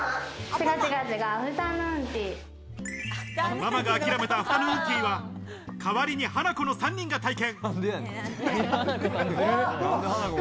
ママが諦めたアフタヌーンティーは代わりにハナコの３人が体験。